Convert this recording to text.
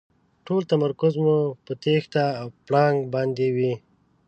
ټول تمرکز مو په تېښته او پړانګ باندې وي.